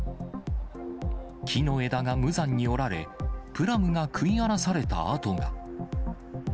木の枝が無残に折られ、プラムが食い荒らされた跡が。